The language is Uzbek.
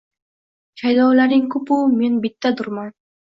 Shaydolaring ko’p-u, men bittadurman!..